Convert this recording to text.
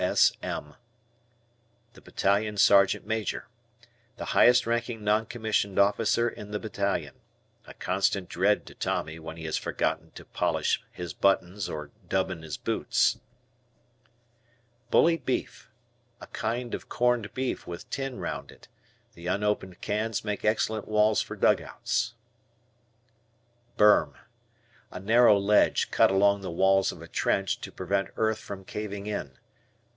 B.S.M. Battalion Sergeant Major. The highest ranking non commissioned officer in the battalion. A constant dread to Tommy when he has forgotten to polish his buttons or dubbin his boots. Bully Beef. A kind of corned beef with tin round it. The unopened cans make excellent walls for dugouts. Burm. A narrow ledge cut along the walls of a trench to prevent earth from caving in.